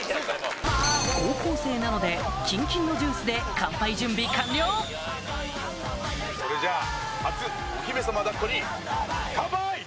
高校生なのでキンキンのジュースでそれじゃあ。